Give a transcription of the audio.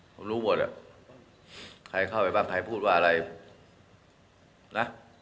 ผมรู้หมดอ่ะใครเข้าไปบ้างใครพูดว่าอะไรนะ